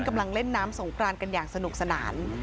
กำลังเล่นน้ำสงกรานกันอย่างสนุกสนาน